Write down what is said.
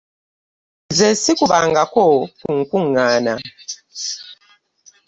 Nze sikubangako ku nkungaana